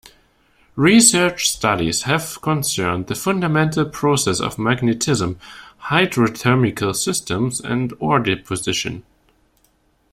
Research studies have concerned the fundamental processes of magmatism, hydrothermal systems, and ore deposition.